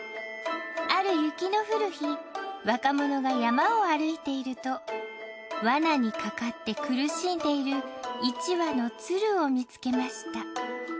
ある雪のふる日若者が山を歩いているとワナにかかって苦しんでいる１羽のツルを見つけました